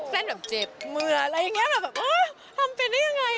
เส้นแบบเจ็บเมื่ออะไรอย่างนี้แบบเออทำเป็นได้ยังไง